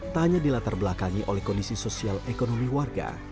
tak hanya dilatar belakangi oleh kondisi sosial ekonomi warga